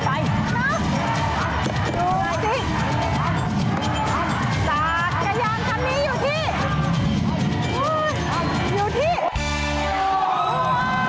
มาหาโชนให้ถ่าย๑๖๓๐บาท